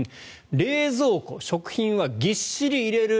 冷蔵庫、食品はぎっしり入れる